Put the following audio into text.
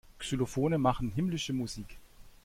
Xylophone machen himmlische Musik.